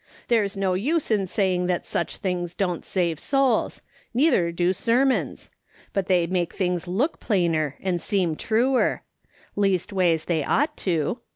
There's no use in saying that such things don't save souls ; neither do sermons. But they make things look plainer and seem truer ; leastways they ought to.